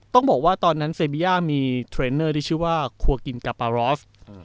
ต้องบอกว่าตอนนั้นเซบีย่ามีเทรนเนอร์ที่ชื่อว่าครัวกินกาปารอฟ